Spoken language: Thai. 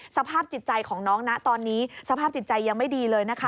สภาพจิตใจของน้องนะตอนนี้สภาพจิตใจยังไม่ดีเลยนะคะ